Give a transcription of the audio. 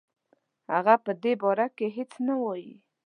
هغه په دې باره کې هیڅ نه وايي.